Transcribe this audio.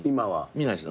見ないです。